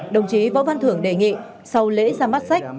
đồng chí võ văn thưởng đề nghị sau lễ ra mắt sách